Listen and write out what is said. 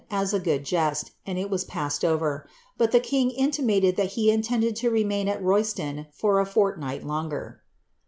i? a good jest, and it was passed over; but the king intimated that m intended to remain at Rovston for a forliiighl longer.'